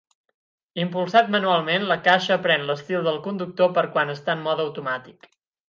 Impulsat manualment, la caixa "aprèn" l'estil del conductor per quan està en mode automàtic.